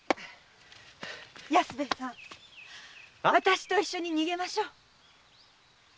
私と一緒に逃げましょう。